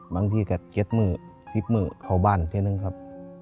บางทีก็เก็ตมือคลิปมือเข้าบ้านแค่นึงครับ